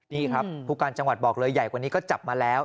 นี่ครับผู้การจังหวัดบอกเลยใหญ่กว่านี้ก็จับมาแล้ว